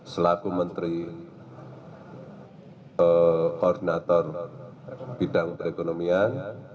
selaku menteri koordinator bidang perekonomian